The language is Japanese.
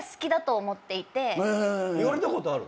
言われたことある？